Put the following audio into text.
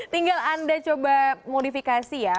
tinggal anda coba modifikasi ya